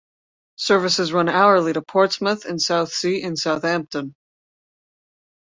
Services run hourly to Portsmouth and Southsea and Southampton.